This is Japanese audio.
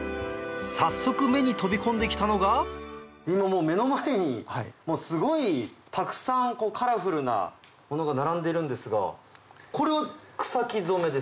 早速目に飛び込んで来たのが今もう目の前にすごいたくさんカラフルなものが並んでるんですがこれは草木染めですか？